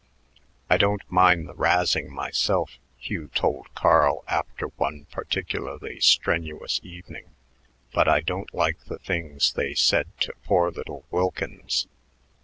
"I don't mind the razzing myself," Hugh told Carl after one particularly strenuous evening, "but I don't like the things they said to poor little Wilkins.